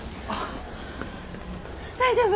大丈夫？